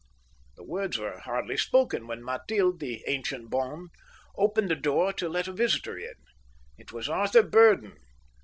The words were hardly spoken when Matilde, the ancient bonne, opened the door to let a visitor come in. It was Arthur Burdon.